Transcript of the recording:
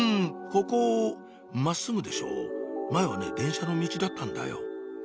ここを真っすぐでしょ前はね電車のミチだったんだよ